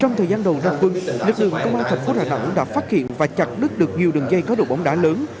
trong thời gian đầu ra quân lực lượng công an thành phố đà nẵng đã phát hiện và chặt đứt được nhiều đường dây cá độ bóng đá lớn